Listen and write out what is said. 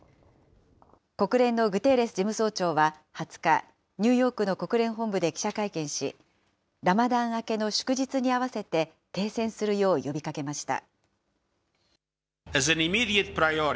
国連のグテーレス事務総長は２０日、ニューヨークの国連本部で記者会見し、ラマダン明けの祝日に合わせて停戦するよう呼びかけました。